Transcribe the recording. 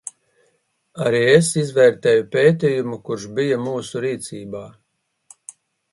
Arī es izvērtēju pētījumu, kurš bija mūsu rīcībā.